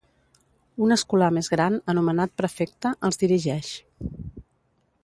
Un escolà més gran, anomenat prefecte, els dirigeix.